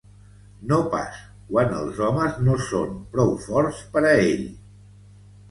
No pas quan els homes no són prou forts per a ell.